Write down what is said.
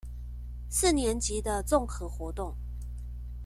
四年級的綜合活動